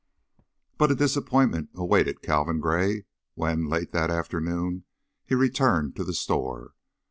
But a disappointment awaited Calvin Gray when, late that afternoon, he returned to the store.